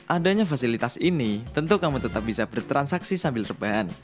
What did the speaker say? adanya fasilitas ini tentu kamu tetap bisa bertransaksi sambil sepen